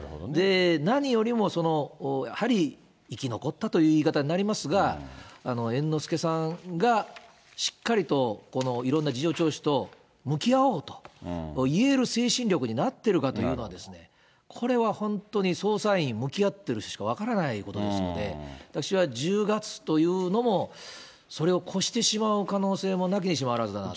何よりもやはり生き残ったという言い方になりますが、猿之助さんがしっかりとこのいろんな事情聴取と、向き合おうと言える精神力になってるかというのはですね、これは本当に捜査員、向き合った人しか分からないことですので、私は１０月というのも、それを越してしまう可能性もなきにしもあらずだなと。